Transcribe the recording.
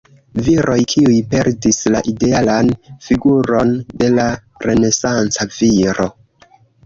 Viroj, kiuj perdis la idealan figuron de la renesanca viro.